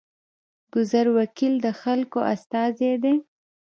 ګذر وکیل د خلکو استازی دی